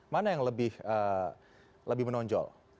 mana yang lebih menonjol